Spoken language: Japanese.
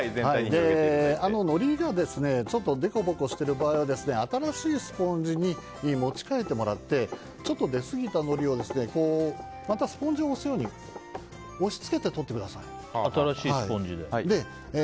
のりが凸凹してる場合は新しいスポンジに持ち替えてもらってちょっと出過ぎたのりをまたスポンジを押すように押し付けてとってください。